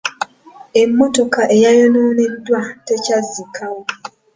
Emmotoka eyayonooneddwa tekyazzikawo.